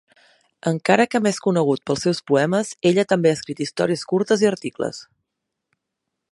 Encara que més conegut pels seus poemes, ella també ha escrit històries curtes i articles.